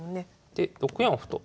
で６四歩と。